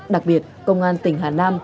đặc biệt công an tỉnh hà nam